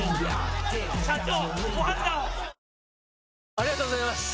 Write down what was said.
ありがとうございます！